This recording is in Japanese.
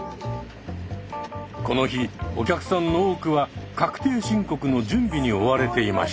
この日お客さんの多くは確定申告の準備に追われていました。